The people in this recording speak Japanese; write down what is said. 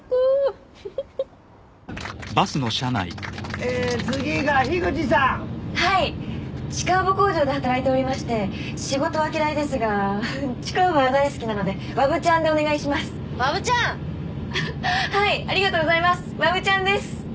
ふふふふっ次が樋口さんはいちくわぶ工場で働いておりまして仕事は嫌いですがふふっちくわぶは大好きなので「わぶちゃん」でお願いしますわぶちゃんはいありがとうございますわぶちゃんです